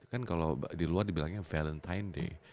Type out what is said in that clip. kan kalau di luar dibilangnya valentine day